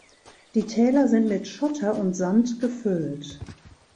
Die Täler sind mit Schotter und Sand gefüllt.